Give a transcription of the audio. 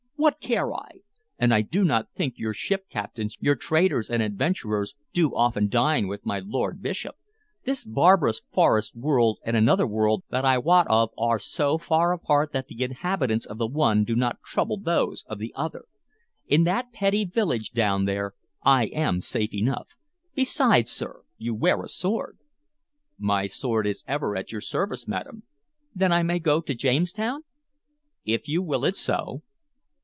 "What care I? And I do not think your ship captains, your traders and adventurers, do often dine with my lord bishop. This barbarous forest world and another world that I wot of are so far apart that the inhabitants of the one do not trouble those of the other. In that petty village down there I am safe enough. Besides, sir, you wear a sword." "My sword is ever at your service, madam." "Then I may go to Jamestown?" "If you will it so."